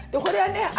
これはね